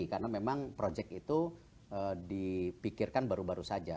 karena memang project itu dipikirkan baru baru saja